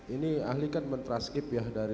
ini ahli kan men transkip ya